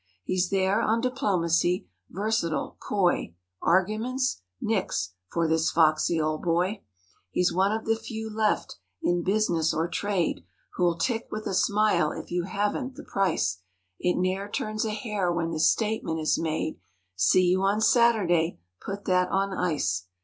He's there on diplomacy—versatile—coy: Arguments? Nix—for this foxy old boy. He's one of the few left, in business or trade Who'll "tick" with a smile if you haven't the price; It ne'er turns a hair when this statement is made— "See you on Saturday—Put that on ice!"